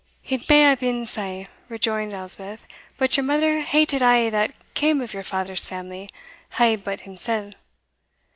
"It may hae been sae," rejoined Elspeth, "but your mother hated a' that cam of your father's family a' but himsell.